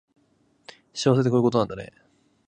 幸せってこういうことなんだね